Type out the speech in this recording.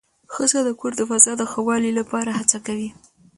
ښځه د کور د فضا د ښه والي لپاره هڅه کوي